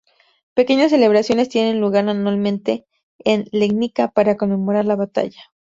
Pequeñas celebraciones tienen lugar anualmente en Legnica para conmemorar la batalla.